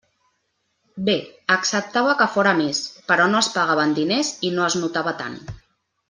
Bé: acceptava que fóra més; però no es pagava en diners i no es notava tant.